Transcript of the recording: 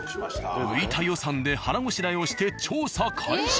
浮いた予算で腹ごしらえをして調査開始。